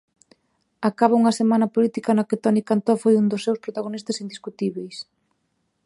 Acaba unha semana política na que Toni Cantó foi un dos seus protagonistas indiscutíbeis.